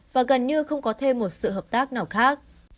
và gần như không có thêm một sự hợp tác nào khác